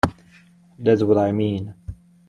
That's what I mean.